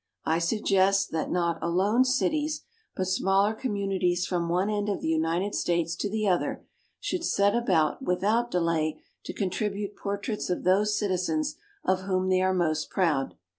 I suggest that not alone cities, but smaller communities from one end of the United States to the other, should set about without delay to contribute portraits of those citizens of whom they are most proud.